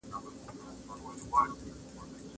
کینه او حسد انسان له منځه وړي.